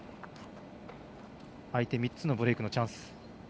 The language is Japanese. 相手、３つのブレークのチャンス。